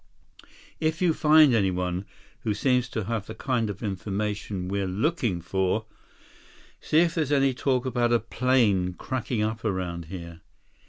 "If you find anyone who seems to have the kind of information we're looking for, see if there's any talk about a plane cracking up around here.